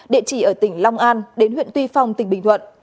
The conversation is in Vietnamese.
địa chỉ ở tỉnh long an đến huyện tuy phong tỉnh bình thuận